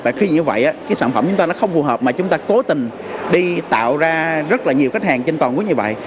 và khi như vậy cái sản phẩm chúng ta nó không phù hợp mà chúng ta cố tình đi tạo ra rất là nhiều khách hàng trên toàn quốc như vậy